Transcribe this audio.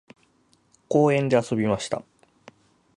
公園で遊びました。